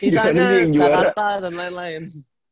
misalnya jakarta dan lain lain